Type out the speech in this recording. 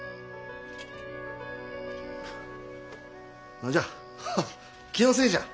何じゃハッ気のせいじゃ。